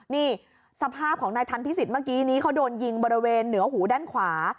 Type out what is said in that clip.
นี่สภาพของนายทันพิสิทธิเมื่อกี้นี้เขาโดนยิงบริเวณเหนือหูด้านขวา